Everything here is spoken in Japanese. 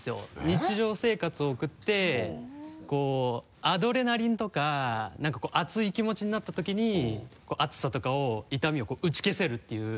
日常生活を送ってアドレナリンとか何かこう熱い気持ちになった時に熱さとかを痛みを打ち消せるっていう。